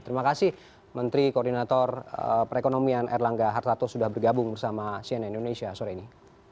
terima kasih menteri koordinator perekonomian erlangga hartarto sudah bergabung bersama cnn indonesia sore ini